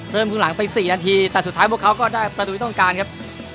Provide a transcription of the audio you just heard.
ครึ่งหลังไป๔นาทีแต่สุดท้ายพวกเขาก็ได้ประตูที่ต้องการครับ